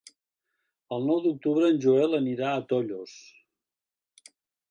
El nou d'octubre en Joel anirà a Tollos.